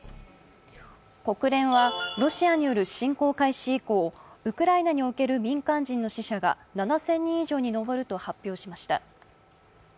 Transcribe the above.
国連はロシアによる侵攻開始以降、ウクライナにおける民間人の死者が７０００人以上に上ると発表しました。